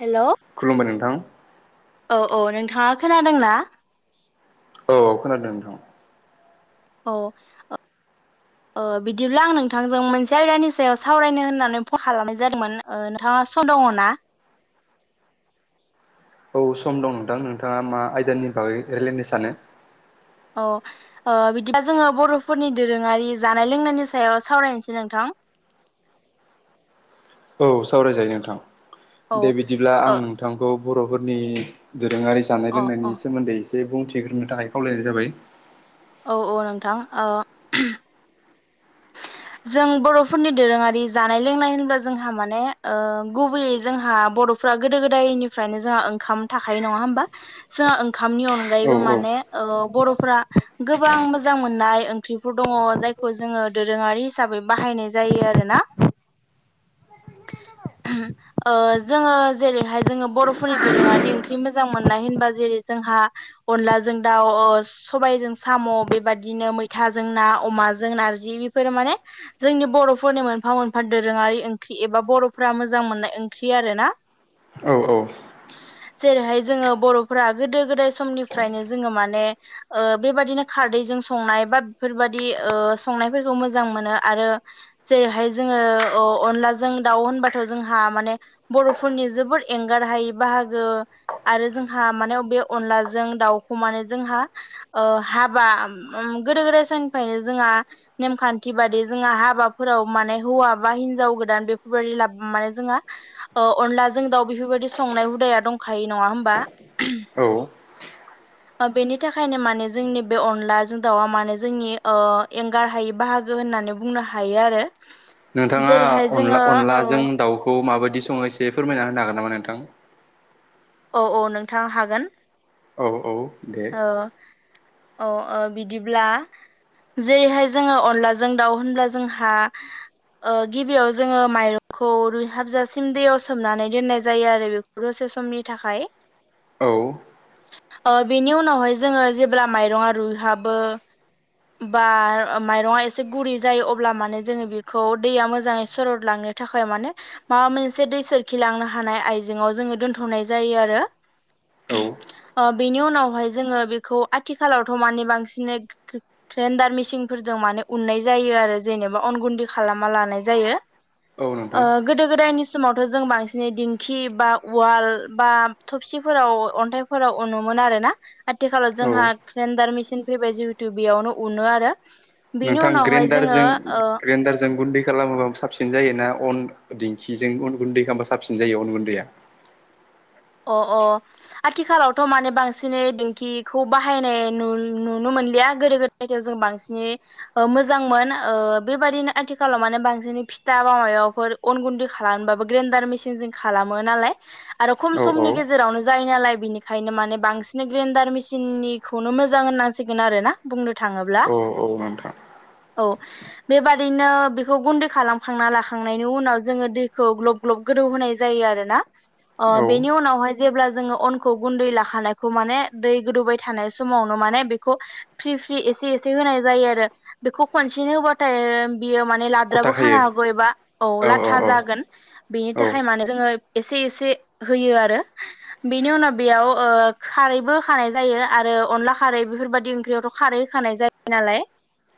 Hello खुलुमबाय नोंथां औ औ नोंथाङा खोनादोंना औ खोनादों नोंथां औ ओ बिदिब्ला आं नोंथांजों मोनसे आयदानि सायाव सावरायनो होननानै फन खालामनाय जादोंमोन नोंथां आ सम दङना औ सम दं नोंथां नोंथाङा मा आयदानि बागै रायलायनो सानो औ बिदिबा जोङो बर'फोरनि दोरोङारि जानाय लोंनायनि सायाव सावरायनोसै नोंथां [inaudible] औ सावरायजायो नोंथां औ दे ओ बिदिब्ला अ आं नोंथांखौ बर'फोरनि दोरोङारि जानाय अ लोंनायनि सोमोनदै एसे बुंथिग्रोनो थाखाय खावलायनाय जाबाय औ औ नोंथां ओ जों बर'फोरनि दोरोङारि जानाय लोंनाय होनोब्ला जोंहा माने गुबैयै जोंहा बर'फ्रा गोदो गोदायनिफ्रायनो जोंहा ओंखाम थाखायो नङा होमबा जोंहा ओंखामनि औ अनगायैबो औ माने ओ बर फोरा गोबां मोजां मोननाय ओंख्रिफोर दङ जायखौ जोङो दोरोङारि हिसाबै बाहायनाय जायो आरोना ओ जोङो जेरैहाय जोङो बर'फोरनि दोरोङारि ओंख्रि मोजां मोननाय होनबा जेरै जोंहा अनलाजों दाउ सबायजों साम' बेबायदिनो मैथाजों ना अमा माजों नारजि बेफोरो माने जोंनि बर'फोरनि मोनफा मोनफा दोरोङारि ओंख्रि एबा बर'फोरा मोजां मोननाय ओंख्रि आरोना औ औ जेरैहाय जोङो बर'फोरा गोदो गोदाय समनिफ्रायनो जोङो माने बेबादिनो खारदै जों संनाय बा बेफोरबायदि संनायफोरखौ मोजां मोनो आरो जेरैहाय जोङो अनलाजों दाउ होनबाथ' जोंहा माने बर'फोरनि जोबोद एंगार हायै बाहागो आरो जोंहा माने बे अनलाजों दाउखौ माने जों हाबा गोदो गोदाय समनिफ्रायनो जोंहा नेमखानथि बादि जोंहा हाबाफोराव माने हौवा बा हिनजाव गोदान बेफोरबायदि माने जों अनला जों दाउ बेफोरबायदि संनाय हुदाया दंखायो नङा होमबा औ बेनि थाखायनो माने जोंनि बे अनलाजों दाउआ माने जोंनि एंगार हायै बाहागो गो होननानै बुंनो हायो आरो नोंथाङा जेरैहाय जोङो अनला ओ अनलाजों औ दाउखौ माबायदि बिदि संनायाव एसे फोरमायना होनो हागोन नामा नोंथां औ औ नोंथां हागोन औ औ दे औ अ अ बिदिब्ला जेरैहाय जोङो अनलाजों दाउ होनब्ला जोंहा गिबियाव जोङो माइरंखौ रुइ हाबजासिम दैयाव सोमनानै दोननाय जायो आरो बेखौ सोम [unintelligible] समनि थाखाय औ ओ बेनि उनावहाय जोङो जेब्ला माइरङा रुइहाबो बा माइरङा एसे गुरै जायो अब्ला माने जोङो बेखौ दैया मोजाङै सरदलाङो थाखाय माने माबा मोनसे दै सोरखि लांनो हानाय आइजेङाव जोङो दोनथ'नाय जायो आरो औ अ बिनि उनावहाय जोङो बेखौ आथिखालावथ' माने बांसिनै ग्रेन्डार मेसिनफोरजों माने उननाय नाय आरो जेननोबा अन गुदि खालामना लानाय जायो। औ ओ नोंथां गोदो गोदायनि समावथ' जों बांसिनै दिंखि बा उवाल बा थबसिफो राव अन्थाइफोराव उनोमोन आरो ना आथिखालाव औ जोंहा ग्रेन्डार मेसिन फैबाय जिहेतु बेयावनो उनो आरो बेनि नोंथां उनावहाय जोङो ग्रेडारजों ग्रेडारजों गुन्दै खालामोबा साबसिन जायोना अन दिंखिजों अन गुन्दै खालामबा साबसिन जायो अन गुन्दैया अ अ आथिखालावथ' माने बांसिनै दिेंखिखौ बाहायनाय नुनो मो मोनलिया गोदो गोदायथायाइाव जों बांसिनै मोजांमोन बेबायदिनो आथिखालाव माने बांसिन फिथा बा माबाफोर अन गुन्दै खालामोबाबो ग्रेन्डार मेचिन जों खालामो नालाय आरो खम औ औ समनि गेजेरावनो जायो नालाय बिनिखायनो माने बांसिन ग्रेन्डार मेसिननिखौनो मोजां होना सिगोन आरोना बुंनो थाङोब्ला औ औ नोंथा [inaudible] औ बेबादिनो बेखौ गुन्दै खालामखांना लाखांनायनि उनाव जोङो दैखौ ग्लब ग्लब गोदौ होनाय जायो आरो ना औ बेनि उनावहाय जेब्ला जोङो अनखौ गुन्दै लाखानायखौ माने दै गोदौबाय थानाय समावनो माने बेखौ फ्रि फ्रि होनाय जायो आरो बेखौ खसे हाथाय बेयो माने गथा लाद्राबो खाना खायो हागौ एबा औ लाथा जागोन बेनि औ थाखाय माने जोङो एसे एसे होयो आरो बेनि उनाव बेयाव खारैबो खानाय जायो आरो अनला खारैबो बेफोरबायदि ओंख्रियावथ' खारै होखानाय जायो नालाय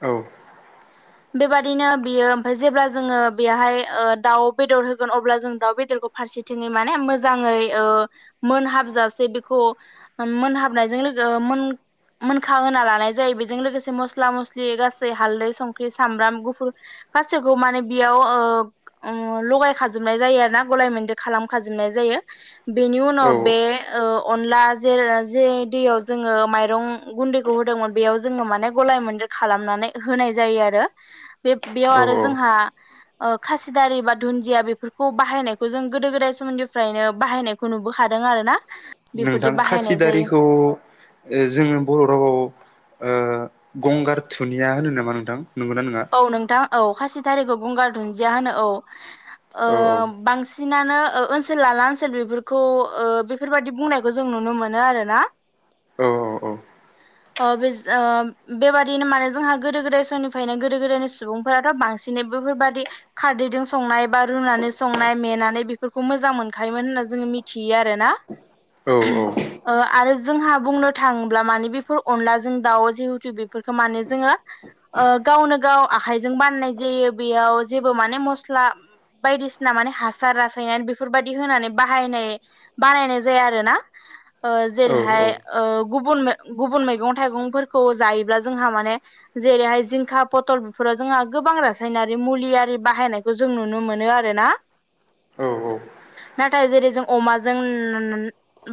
औ [inaudible] बेबादिनो बियो ओमफ्राय जेब्ला जोङो बेहाय दाउ बेदर होगोन अब्ला जों दाउ बेदरखौ फारसेथिङै माने मो जाङै ओ मोनहाबजासे बेखौ मोनहाबनायजों लोगो मोन मोनखां होना लानाय जायो बेजों लोगोसे मस्ला मस्लि गासै हालदै संख्रि सामब्राम गुफुर गासैखौ माने बेयाव लगाय खाजोबनाय जायो आरो ना गलाय मदेर खालामखाजोबनाय जायो बेनि उनाव बे औ अनला जेर जे दैयाव जोङो माइरं गुन्दैखौ होदोंमोन बेयाव जोङो माने गलाय मोनदेर खालामनानै होनाय जायो आरो बे बेयाव आरो औ जोंहा खासिदारि बा दुन्दिया बेफोरखौ बाहायनायखौ जों गोदो गोदाय सोमोन्दो [unintelligible] फ्रायनो बाहायनायखौ नुबोखादों आरो ना बेफोरदि नोंथां बाहायनाय जायो खासिदारिखौ जोङो बर' रावाव ओ गंगार थुनिया होनो नामा नोंथां नंगौना नङा? औ नोंथां औ खासि थारिखौ गंगार दुन्दिया होनो औ औ बां सिनानो ओनसोल लाला ओनसोल बेफोरखौ ओ बेफोरबायदि बुंनायखौ जों नुनो मोनो आरोना औ [inaudible] ओ ओ बेबादिनो माने जोंहा गोदो गोदाय समनिफायनो गोदो गोदायनि सुबुंफोराथ' बांसिनै बेफोरबायदि खारदैजों संनाय बा रुनानै संनाय मेनानै बेफोरखौ मोजां मोनखायोमोन होनना जोङो मिथियो आरोना औ औ ओ आरो जोंहा बुंनो थाङोब्ला माने बेफोर अनलाजों दाउ जिहेथु बेफोरखौ माने जोङो गावनो गाव आखाइजों बाननाय जायो बेयाव जेबो माने मस्ला बायदिसिना माने हासार रासायनानै बेफोरबायाददि होनानै बाहायनाय बानायनाय जाया आरो ना ओ औ जेरैहाय गुबुन गुबुन मैगं थाइगंफोरखौ जायोब्ला जोंहा माने जेरैहाय जिंखा पथल बेफोराव जोंहा गोबां रासायनारि मुलियारि बाहायनायखौ जों नुनो मोनो आरोना [inaudible] औ औ नाथाय जेरै जों अमाजों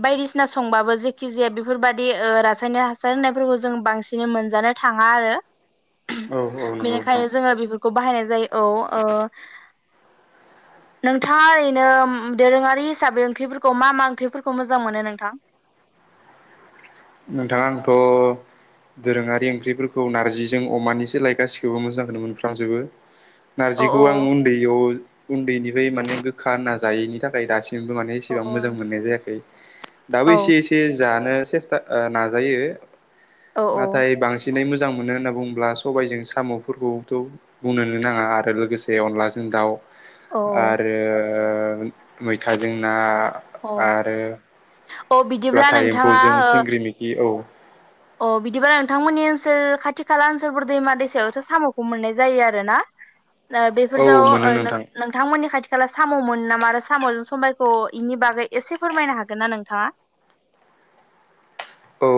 बायदिसिना संबाबो जेखि जाया बेफोरबायदि रासायनारि हासार होनायफोरखौ जों बांसिन मोनजानो थाङा आरो नंगौ नोंथां बेनिखायनो जोङो बेफोरखौ बाहायनाय जायो औ नोंथाङा ओरैनो दोरोङारि हिसाबै ओंख्रिफोरखौ मा मा ओंख्रिफोरखौ मोजां मोनो नोंथां? [inaudible] नोंथां आंथ' दोरोङारि ओंख्रिफोरखौ नारजिजों अमानिसो लाय गासिखौबो मोजां होनो मोनफ्र्लांजोबो। औ नारजिखौ औ आं उन्दैयाव उन्दैनिफ्राय माने गोखा होनना जायैनि थाखाय दासिम औ इसेबां औ मोजां नोंथां मोननाय औ जायाखै दाबो औ एसे एसे जानो सेस्था नाजायो औ औ नाथाय बांसिनै मो जां मोनो होनना बुङोब्ला सबायजों साम'फोरखौथ' बुंनोनो नाङा आरो लोगोसे अनलाजों दाउ औ आरो मैथाजोंना अ अ बिदिब्ला लाथा नोंथाङा एम्फौजों सिंग्रि मिखि औ अ बिदिबा नोंथांमोननि ओनसोल खाथि खाला ओनसोलफोर दैमा दैसायावथ' साम'खौ मोननाय जायो आरो ना औ बेफोरजों मोनो नोंथां नोंथांमोननि खाथि खाला साम'मोन नामा आरो साम'जों समबायखौ इनि बागै एसे फोरमायनो हागोन ना नोंथाङा। औ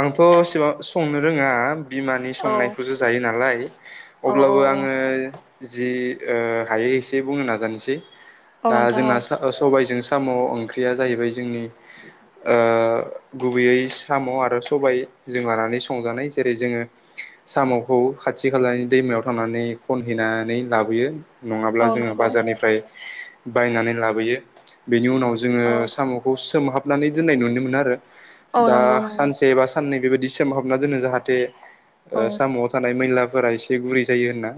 आंथ' सिगां संनो रोङा। बिमानि औ संनायखौसो जायो नालाय औ औ अब्लाबो औ आङो जि हायो एसे बुंनो नाजानोसै औ दा नोंथां औ जोंना सबायजों साम' ओंख्रिया जाहैबाय जोंनि गुबैयै साम' आरो सबाय जों लानानै संजानाय जेरै जोङो साम'खौ खाथि खालानि दैमायाव थांनानै खनहैनानै लाबोयो नङाब्ला औ जोङो नंगौ बाजारनिफ्राय बायनानै लाबोयो बेनि उनाव औ जोङो सामखौ सोमहाबनानै दोननाय नुनो मोनो आरो औ दा नंगौ नंगौ सानसे बा साननै बेबायदि सोमहाबना दोनो जाहाथे औ साम'आव थानाय मैला फोरा एसे गुरै जायो होनना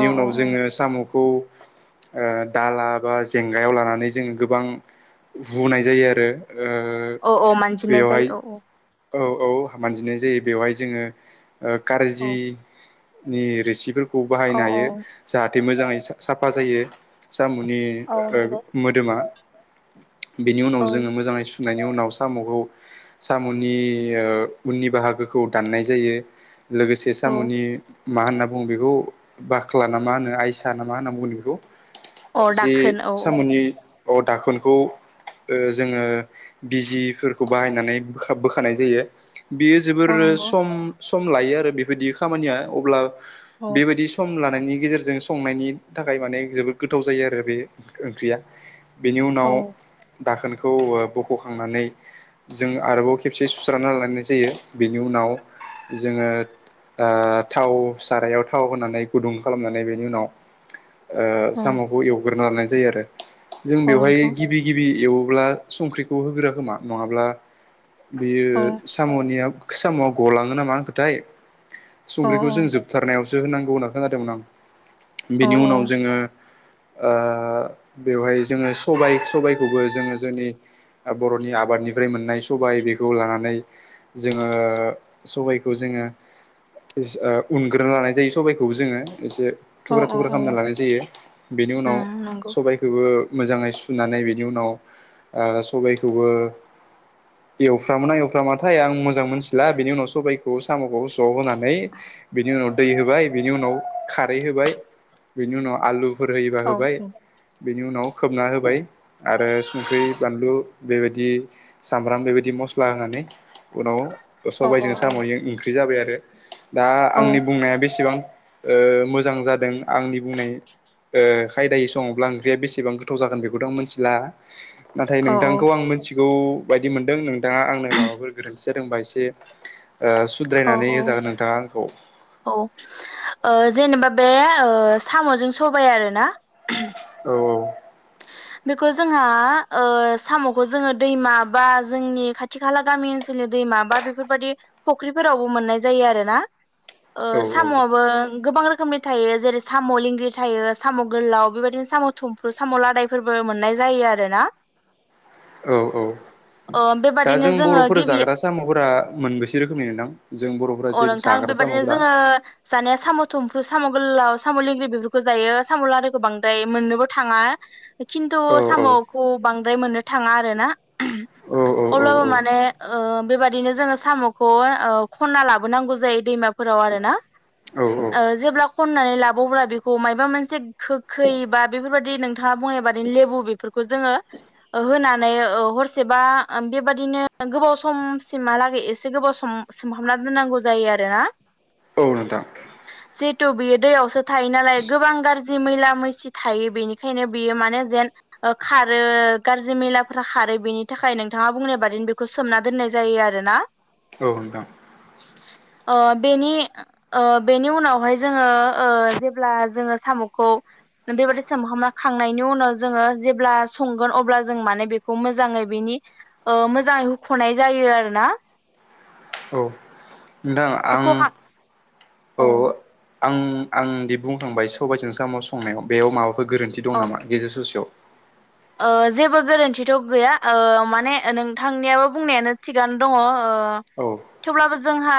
औ औ उनाव जोङो साम'खौ दाला बा जेंगायाव लानानै जोङो गोबां हुनाय जायो आरो ओ औ औ मानजिनाय बेवहाय जायो औ औ औ मानजिनाय जायो बेवहाय जोङो औ कारजि नि रोसिफोरखौ औ बाहायनो औ हायो जाहाथे मोजाङै साफा जायो। सखमुनि औ नंगौ मोदोमा बिनि उनाव औ जोङो मोजाङै सुनायनि उनाव साम'खौ साम'नि उननि बाहागोखौ दाननाय जायो। लोगोसे औ साम'नि मा होनना बुङो बेखौ बाख्ल ना मा होनो आइस ना मा होनना बुङो बेखौ औ जे दाखोन औ औ सामनि अ दाखोनखौ ओ जोङो बिजिफोरखौ बाहायनानै बोखानाय जायो बियो जोबोर औ नंगौ सम लायो आरो बेबायदि खामानिया अब्ला औ बेबायदि सम ला नि गेजेरजों संनायनि थाखाय माने जोबोद गोथाव जायो आरो बे ओंख्रिया बेनि औ उनाव दाखोनखौ बख'खांनानै जों आरोबाव खेबसे सुस्रना लानाय जायो बेनि उनाव जोङो थाव सारायाव थाव होनानै गुदुं खालामनानै बेनि उनाव औ साम'खौ एवग्रोनो लानाय जायो आरो जों औ बेवहाय नोंथां गिबि गिबि एव अब्ला संख्रिखौ होगोरो खानानगो नङाब्ला बेयो औ साम'नि सामवा गलाङो नामा होन खोथाय औ संख्रिखौ जों जोबथारनायाव होनांगौ होनना खोनादोंमोन आं औ बेनि उनाव जोङो बेवहाय जोङो सबाय सबायखौबो जोङो जोंनि बर'नि आबादनिफ्राय मोननाय सबाय बेखौ लानानै जोङो सबायाइखौ जोङो उनग्रोनो लानाय जायो सबाइखौबो जोङो एसे औ थुख्रा औ थुख्रा औ खालामामना लानाय जायो बेनि उनाव उम नंगौ सबायखौोबो मोजाङै सुनानै बेनि उनाव सबायखौबो एवफ्रामोना एवफ्रामाथाय आं मोजां मोनथिला बेनि उनाव सबायखौ साम'खौ ज होनांगौ ओमफाय बिनि उनाव दै होबाय बिनि उनाव खारै होबाय बिनि उनाव आलु खारै होबाय औ औ होबाय बिनि उनाव खोबना होबाय आरो संख्रि बानलु बेबायदि सामब्राम बेबायदि मस्ला होनानै उनाव औ औ सबायजों साम'जों ओंख्रि जाबाय आरो दा आंनि बुंनाया बेसेबां मोजां जादों आंनि बुंनाय खायदायै सङोब्ला ओंख्रिया बेसेबां गोथाव जागोन बेखौथ' आं मिथिला नाथाय नोंथांखौ आं मिथिगौ बायदि मोनदों नोंथाङा आंनो माबाफोर गोरोंसिन सोरोंबा एसे औ सुद्रायनानै होजागोन नोंथाङा आंखौ औ जेनेबा बे साम'जों सबाय आरोना औ बे जोंहा साम'खौ जोङो दैमा बा जोंनि खाथि खाला गामि ओनसोलनि दैमा माबा बेफोरबायदि फुख्रिफोरावबो मोननाय जायो आरोना औ साम'आबो गोबां रोखोमनि थायो जेरै साम' लेंंग्रि थायो साम' गोलाव बेबायदिनो साम' थुमफ्रु साम' लादायफोरबो मोननाय जायो आरो ना औ औ दा जों बेबादिनो जोङो बर'फोरा गिबि जाग्रा साम'फोरा मोनबेसे रोखोमनि दं जों बर'फोरा जै जाग्रा बेबायदिनो साम'फोरा जोङो जानाया साम' थुमफ्रु साम' गोलाव साम'ल लंग्रि बेफोरखौ जायो साम'ल लखौ बांद्राय मोननोबो थाङा खिन्थु औ औ साम'खौ बांद्राय मोननो थाङा आरो ना औ औ औ अब्लाबो माने बेबादि बिदिनो जोङो साम'खौ खना लाबोनांगौ जायो दैमाफोराव आरो ना औ आ जेबोब्ला खननानै लाबावब्ला बेखौ मायबा मोनसे गोखै बा बेफोरबायादि नों बिथाङा बुंनाय बादिनो लेबु बेफोरखौ जोङो होनानै हरसेबा बेबादिनो गोबाव समसिमहालागै एसे गोबाव सम सोमहाबनानै दोननांगौ जायो आरोना औ नोंथां जिहेथु बियो दैयावसो थायो नालाय गोबां गाज्रि मैला मैसि थायो बेनि बेखायनो बियो मानोे जेन खारो गाज्रि मेलाफोरा खारो बेनि थाखाय नोंथाङा बुंनाय बादि बेखौ सोमना दोननाय जायो आरो ना औ [inaudible] बेनि बेनि उनावहाय जोङो जेब्ला जोङो साम'खौ बेबायदि सामखौ खांनायनि उनाव जोङो जेब्ला संगोन अब्ला जों माने बेखौ मोजाङै बेनि मोजां होख'नाय जायो आरोना औ नोंथां आं हुख'खां औ आं आंदि बुंखांबाय सार सबायजों सामाव संनायाव बेयाव माबाफोर गोरोन्थि दं औ नामा गेजेर ससेयाव जेबो गोरोन्थिथ' गैया माने नोंथांनियाबो बुंनायानो थिगानो दङ औ थेवब्लाबो जोंहा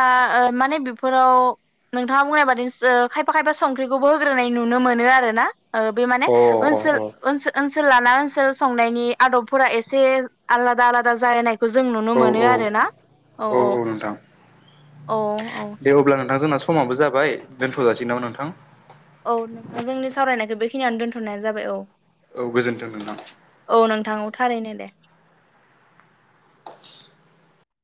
माने बेफोराव नोंथाङा बुंनाय बादि खायफा खायफा संख्रिखौबो होग्रोनाय नुनो मोनो आर ना बे माने अ अ ओनसोल अ ओनसोल लाना ओनसोल संनायनि आदबफोरा एसे आलादा आलादा जालायनायखौ जों नुनो औ मोनो औ आरो ना औ औ औ दे अब्ला नोंथां जोंना समाबो जाबाय दोनथ'जासिगोन नामा नोंथां औ नोंथा जोंनि सावरायनायखौ बेखिनियावनो दोनथ'नाय जाबाय औ औ गोजोन्थों नोंथां औ नोंथां औ थारैनो दे